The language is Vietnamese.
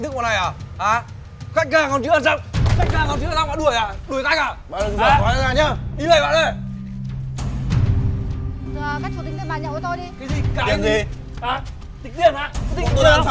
tiền đồng cái gì